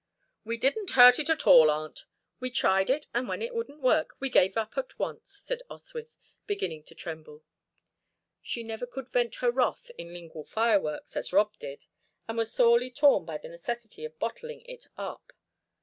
"We didn't hurt it at all, aunt; we tried it, and when it wouldn't work we gave up at once," said Oswyth, beginning to tremble. She never could vent her wrath in lingual fireworks, as Rob did, and was sorely torn by the necessity of bottling it up.